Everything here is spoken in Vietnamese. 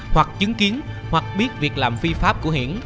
hoặc chứng kiến hoặc biết việc làm phi pháp của hiển